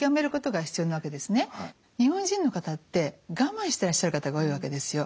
日本人の方って我慢してらっしゃる方が多いわけですよ。